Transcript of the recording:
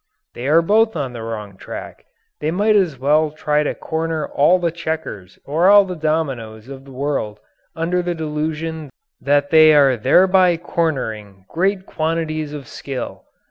They are both on the wrong track. They might as well try to corner all the checkers or all the dominoes of the world under the delusion that they are thereby cornering great quantities of skill.